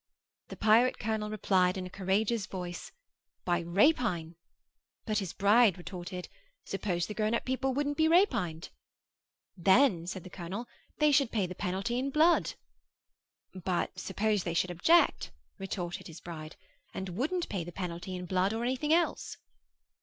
The pirate colonel replied in a courageous voice, 'By rapine!' But his bride retorted, 'Suppose the grown up people wouldn't be rapined?' 'Then,' said the colonel, 'they should pay the penalty in blood.'—'But suppose they should object,' retorted his bride, 'and wouldn't pay the penalty in blood or anything else?